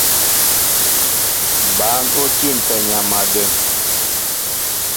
Bǎn ó tʉ̂mpɛ nyam a dəŋ.